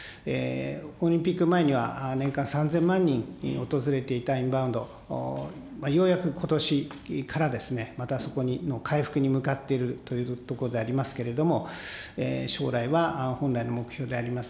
オリンピック前には年間３０００万人訪れていたインバウンド、ようやくことしから、またそこに回復に向かっているところでありますけれども、将来は本来の目標であります